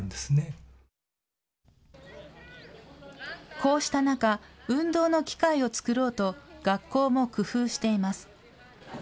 こうした中、運動の機会を作ろうと学校も工夫しています。